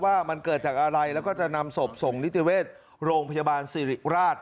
ว่ามันเกิดจากอะไรแล้วก็จะนำศพส่งนิติเวชโรงพยาบาลสิริราช